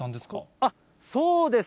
あっ、そうです。